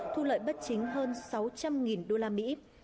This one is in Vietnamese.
thu lợi bất chính hơn sáu trăm linh đô la mỹ